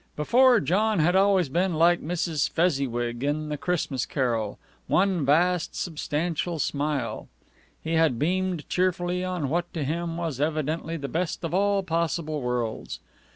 Before, John had always been, like Mrs. Fezziwig in "The Christmas Carol," one vast substantial smile. He had beamed cheerfully on what to him was evidently the best of all possible worlds.